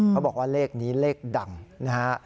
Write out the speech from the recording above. เขาบอกว่าเลขนี้เลขดังนะฮะ